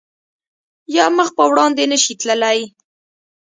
یا مخ په وړاندې نه شی تللی